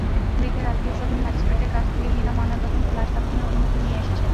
মৃতের আত্মীয়স্বজন ম্যাজিস্ট্রেটের কাছ থেকে বিনা ময়নাতদন্তে লাশ দাফনের অনুমতি নিয়ে এসেছেন।